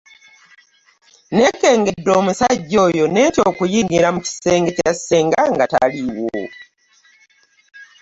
Nekengedde omusajja oyo nentya okuyingira mu kisenge kye ssenga taliiwo.